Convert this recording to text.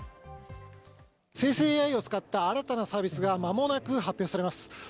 生成ＡＩを使った新たなサービスが間もなく発表されます。